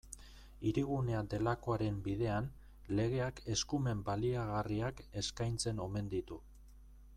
Hirigunea delakoaren bidean, legeak eskumen baliagarriak eskaintzen omen ditu.